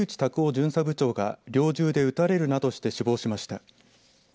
巡査部長が猟銃で撃たれるなどして死亡しました。